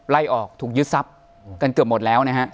ล่ายออกยึดทรัพย์กันเกือบหมดแล้ว